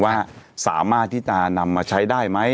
ว่าสามารถที่จะนำมาใช้ได้ไหม